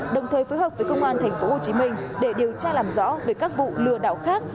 đồng thời phối hợp với công an thành phố hồ chí minh để điều tra làm rõ về các vụ lừa đảo khác